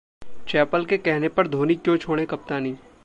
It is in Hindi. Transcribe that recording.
चैपल के कहने पर धोनी क्यों छोड़ें कप्तानी?